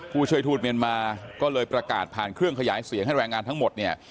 ผู้ช่วยทูตเมียนมาก็เลยประกาศผ่านเครื่องขยายเสียงให้แรงงานทั้งหมดเนี่ย